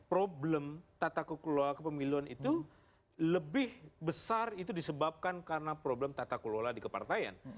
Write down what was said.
problem tata kelola kepemiluan itu lebih besar itu disebabkan karena problem tata kelola di kepartaian